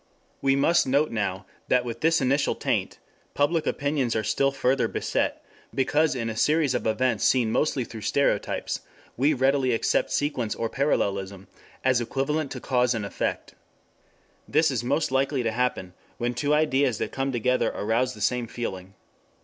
We must note now that with this initial taint, public opinions are still further beset, because in a series of events seen mostly through stereotypes, we readily accept sequence or parallelism as equivalent to cause and effect. This is most likely to happen when two ideas that come together arouse the same feeling.